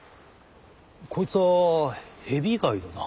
こいつはヘビ貝だな。